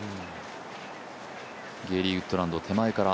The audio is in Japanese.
ゲーリー・ウッドランド、手前から。